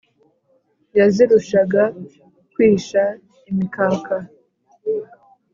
Yazirushaga kwisha imikaka